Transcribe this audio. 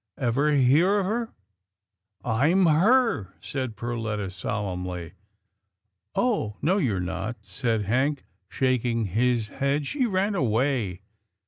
Ever hear of her ?"" I'm her," said Perletta solemnly. " Oh no you're not," said Hank shaking his head. " She ran away."